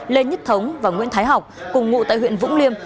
lê nhất thống và nguyễn thái học cùng ngụ tại huyện vũng liêm